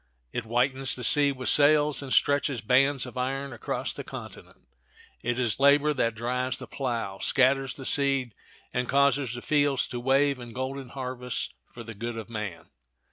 It whitens the sea with sails, and stretches bands of iron across the continent. It is labor that drives the plow, scatters the seed, and causes the fields to wave in golden harvests for the good of man.